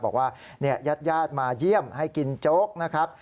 บอกว่าญาติมาเยี่ยมให้กินโจ๊กนะครับ